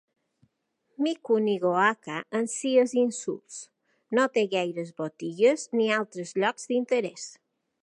Mikunigoaka en sí és insuls, no té gaire botigues ni altres llocs d'interès.